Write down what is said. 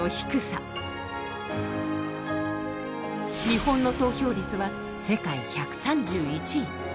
日本の投票率は世界１３１位。